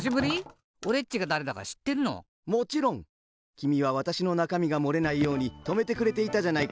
きみはわたしのなかみがもれないようにとめてくれていたじゃないか。